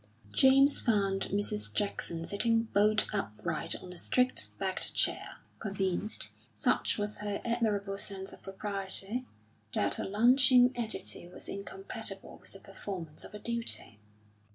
James found Mrs. Jackson sitting bolt upright on a straight backed chair, convinced, such was her admirable sense of propriety, that a lounging attitude was incompatible with the performance of a duty.